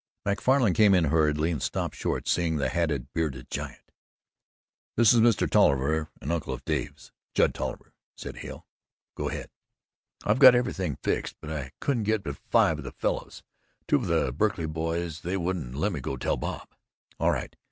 Macfarlan came in hurriedly and stopped short seeing the hatted, bearded giant. "This is Mr. Tolliver an uncle of Dave's Judd Tolliver," said Hale. "Go ahead." "I've got everything fixed but I couldn't get but five of the fellows two of the Berkley boys. They wouldn't let me tell Bob." "All right.